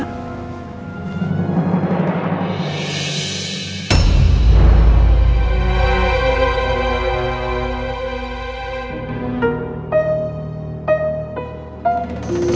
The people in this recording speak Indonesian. mungkin mas al suka